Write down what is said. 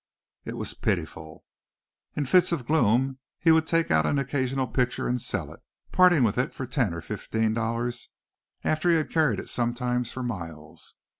It was pitiful. In fits of gloom he would take out an occasional picture and sell it, parting with it for ten or fifteen dollars after he had carried it sometimes for miles.